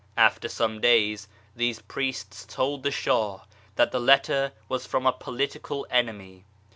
After some days these priests told the Shah that the letter was from a political enemy.